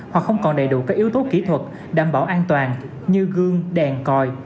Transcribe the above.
hoặc không còn đầy đủ các yếu tố kỹ thuật đảm bảo an toàn như gương đèn còi